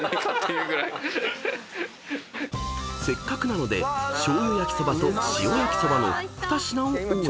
［せっかくなのでしょうゆ焼きそばと塩焼きそばの２品をオーダー］